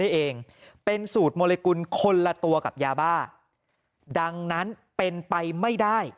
เองเป็นสูตรโมลิกุลคนละตัวกับยาบ้าดังนั้นเป็นไปไม่ได้